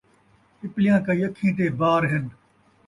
پپلیاں کئی اکھیں تے بار ہن